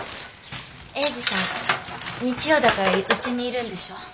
英治さん日曜だからうちにいるんでしょう？